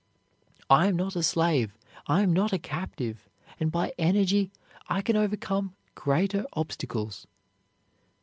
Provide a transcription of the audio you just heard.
"I am not a slave, I am not a captive, and by energy I can overcome greater obstacles."